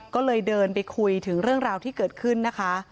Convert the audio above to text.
ก็เลยเดินไปคุยถึงเรื่องราวที่เกิดขึ้นนะคะ